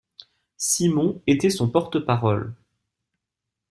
Simon était son porte-parole.